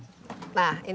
sudah satu tahun